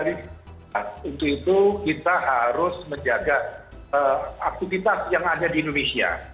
jadi untuk itu kita harus menjaga aktivitas yang ada di indonesia